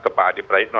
ke pak adi pratno